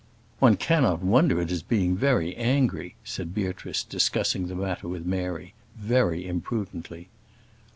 "One cannot wonder at his being very angry," said Beatrice, discussing the matter with Mary very imprudently.